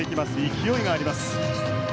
勢いがあります。